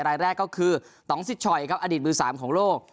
รายแรกก็คือต้องสิชอยครับอดีตมือ๓ของโลก